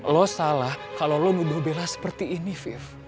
lo salah kalau lo menjauh bella seperti ini viv